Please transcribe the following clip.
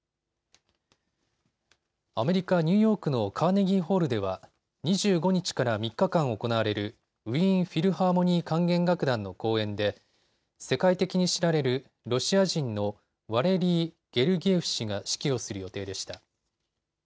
アメリカ・ニューヨークのカーネギーホールでは２５日から３日間行われるウィーンフィルハーモニー管弦楽団の公演で世界的に知られるロシア人のワレリー・ゲルギエフ氏が指揮をする予定でした。